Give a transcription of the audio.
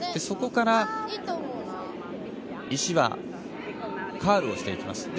そこから石はカーブしていきます。